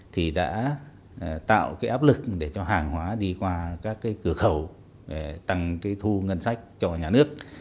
thì đã tạo áp lực để cho hàng hóa đi qua các cửa khẩu tăng thu ngân sách cho nhà nước